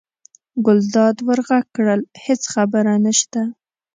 ګلداد ور غږ کړل: هېڅ خبره نشته.